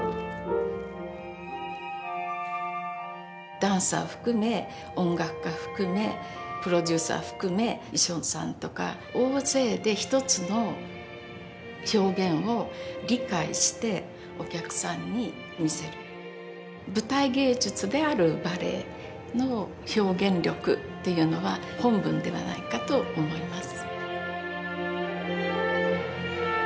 ダンサー含め音楽家含めプロデューサー含め衣装さんとか大勢で一つの表現を理解してお客さんに見せる舞台芸術であるバレエの表現力っていうのは本分ではないかと思います。